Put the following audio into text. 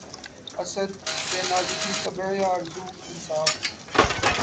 اسد! بہ نازکیِ طبعِ آرزو انصاف